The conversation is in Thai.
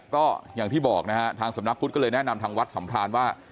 ก็อย่างที่บอกนะฮะทางสำนักพุทธก็เลยแนะนำทางวัดสัมพรานว่า